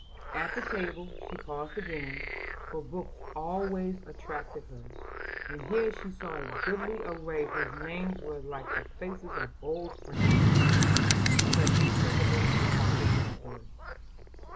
At the table she paused again, for books always attracted her, and here she saw a goodly array whose names were like the faces of old friends, because she remembered them in her father's library.